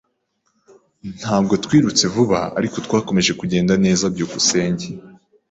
Ntabwo twirutse vuba, ariko twakomeje kugenda neza. byukusenge